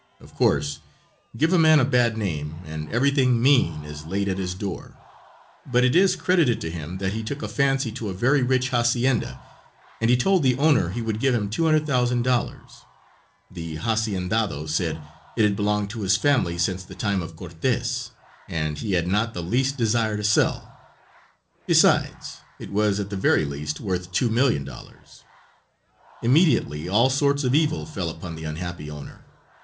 Of course, give a man a bad name and everything mean is laid at his door; but it is credited to him that he took a fancy to a very rich hacienda, and he told the owner he would give him $200,000. The haciendado said it had belonged to his family since the time of Cortes, and he had not the least desire to sell, besides it was at the very least worth $2,000,000. Immediately all sorts of evil fell upon the unhappy owner.